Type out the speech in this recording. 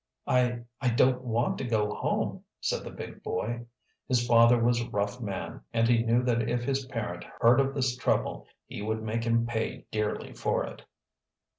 "I I don't want to go home," said the big boy. His father was a rough man and he knew that if his parent heard of this trouble he would make him pay dearly for it.